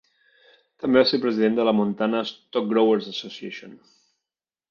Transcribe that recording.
També va ser president de la Montana Stockgrower's Association.